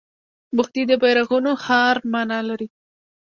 بخدي د بیرغونو ښار مانا لري